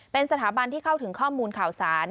เป็นสถาบันที่เข้าถึงข้อมูลข่าวสาร